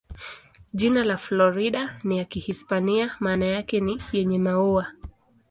Jina la Florida ni ya Kihispania, maana yake ni "yenye maua".